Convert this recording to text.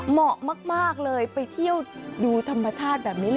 เหมาะมากเลยไปเที่ยวดูธรรมชาติแบบนี้เลย